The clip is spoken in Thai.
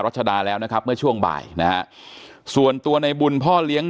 รัชดาแล้วนะครับเมื่อช่วงบ่ายนะฮะส่วนตัวในบุญพ่อเลี้ยง